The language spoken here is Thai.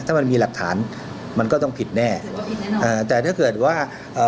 ถ้ามันมีหลักฐานมันก็ต้องผิดแน่อ่าแต่ถ้าเกิดว่าเอ่อ